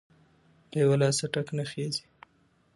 ـ له يوه لاسه ټک نخيژي.